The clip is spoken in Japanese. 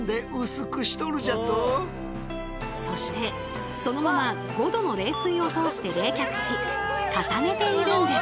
そしてそのまま５℃の冷水を通して冷却し固めているんです。